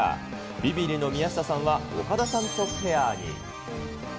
びびりの宮下さんは岡田さんとペアに。